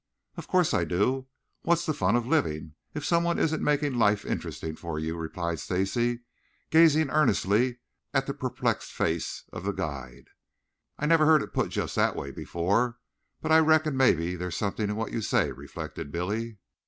"Of course I do. What's the fun of living if somebody isn't making life interesting for you?" replied Stacy, gazing earnestly at the perplexed face of the guide. "I I never heard it put just that way before, but I reckon maybe there's something in what you say," reflected Billy.